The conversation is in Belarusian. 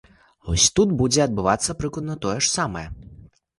Вось тут будзе адбывацца прыкладна тое ж самае.